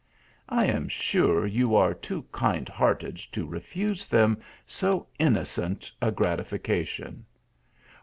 I am sure you are too kind hearted to refuse them so innocent a gratification."